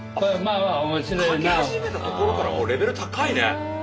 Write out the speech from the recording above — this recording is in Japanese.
描き始めたところからもうレベル高いね。